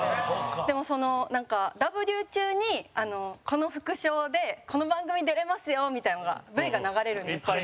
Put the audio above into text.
でも、なんか、Ｗ中にこの副賞で、この番組に出れますよみたいなのがＶが流れるんですけど。